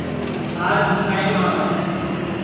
آج ہوں نائی نھواوے